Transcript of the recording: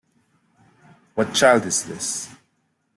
What Child Is This?